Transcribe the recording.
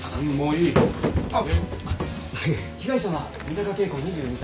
被害者は三鷹啓子２２歳。